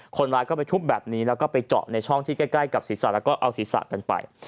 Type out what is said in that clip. คนร้ายก็ไปทุบแบบนี้แล้วก็ไปเจาะในช่องที่ใกล้กับศีรษะแล้วก็เอาศีรษะกันไป